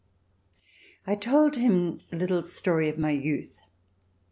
xvii I told him a little story of my youth.